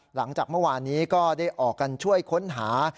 หลังจากเมื่อวานนี้ก็ได้ออกกันช่วยค้นหา